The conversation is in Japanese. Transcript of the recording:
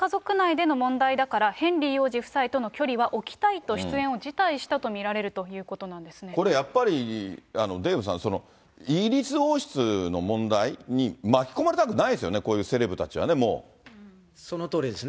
この中でオプラさんやミシェルさんは、ほかの家族内での問題だから、ヘンリー王子夫妻とは距離を置きたいと、出演を辞退したといこれ、やっぱりデーブさん、イギリス王室の問題に巻き込まれたくないですよね、こういうセレそのとおりですね。